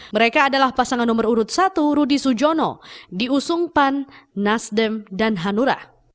mereka adalah pasangan nomor urut satu rudi sujono di usung pan nasdem dan hanura